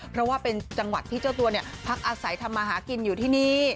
เพราะว่าเป็นจังหวัดที่เจ้าตัวพักอาศัยทำมาหากินอยู่ที่นี่